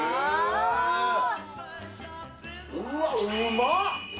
うわっ、うまっ！